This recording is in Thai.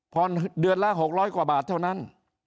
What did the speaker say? เดือนละ๖๐๐กว่าบาทเท่านั้น